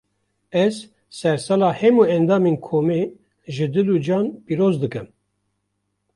Ez, sersala hemî endamên komê, ji dil û can pîroz dikim